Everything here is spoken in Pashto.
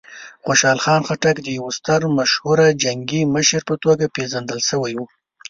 خوشحال خان خټک د یوه ستر مشهوره جنګي مشر په توګه پېژندل شوی و.